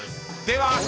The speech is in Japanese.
では